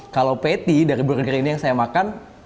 kalau patty dari burger ini yang saya makan